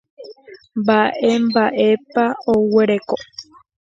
Mba'e mba'épa oguereko.